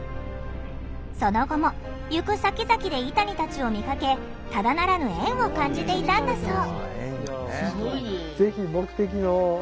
その後も行くさきざきでイタニたちを見かけただならぬ縁を感じていたんだそう。